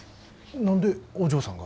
何でお嬢さんが？